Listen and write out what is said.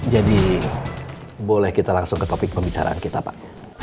jadi boleh kita langsung ke topik pembicaraan kita pak